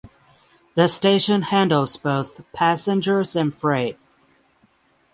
The station handles both passengers and freight.